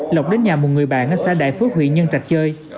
lộc đến nhà một người bạn ở xã đại phước huyện nhân trạch chơi